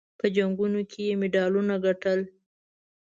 په جنګونو کې یې مډالونه ګټل.